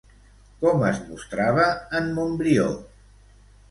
Com es mostrava en Montbrió?